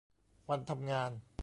วันทำงาน